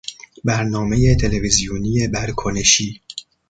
برنامهی تلویزیونی برکنشی